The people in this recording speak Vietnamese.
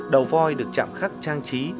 đầu voi được chạm khắc trang trí